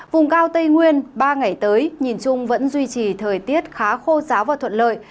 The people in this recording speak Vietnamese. vùng cao tây nguyên ba ngày tới nhìn chung vẫn duy trì thời tiết khá khô giáo và thuận lợi